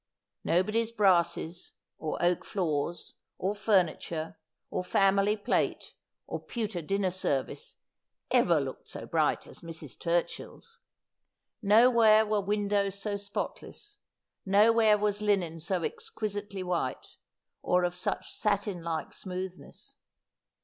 Nobody's brasses, or oak floors, or furniture, or family plate, or pewter dinner service, ever looked so bright as Mrs. Turchill's. Nowhere were windows so spotless ; nowhere was linen so exquisitely white, or of such satin like smoothness.